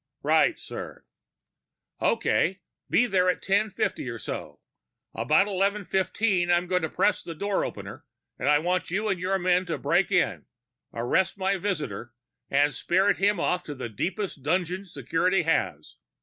"Right, sir." "Okay. Be there about 1050 or so. About 1115, I'm going to press my door opener, and I want you and your men to break in, arrest my visitor, and spirit him off to the deepest dungeon security has.